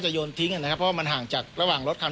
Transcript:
ใช่อาจจะเป็นอย่างนั้นนะครับ